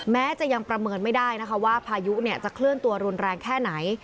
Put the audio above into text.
แม้จะยังประเมินไม่ได้นะคะว่าพายุจะเคลื่อนตัวรุนแรงแค่ไหน